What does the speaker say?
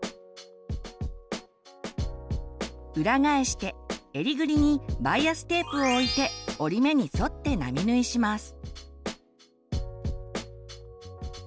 裏返して襟ぐりにバイアステープを置いて折り目に沿って並縫いします。